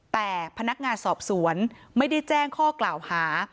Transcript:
แต่พนักงานสอบสวนไม่ได้แจ้งข้อกล่าวหา